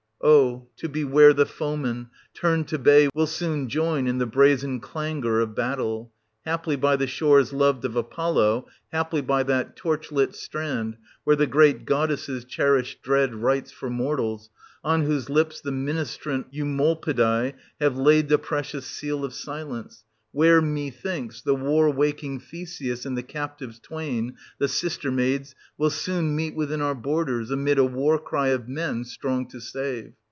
Oh to be where the foeman, turned to bay, str. i. will soon join \vl the brazen clangour of battle, haply by the shores loved of Apollo, haply by that torch lit strand where the Great Goddesses cherish dread rites 1050 for mortals, on whose lips the ministrant Eumolpidae have laid the precious seal of silence ; where, methinks, the war waking Theseus and the captives twain, the sister maids, will soon meet within our borders, amid a war cry of men strong to save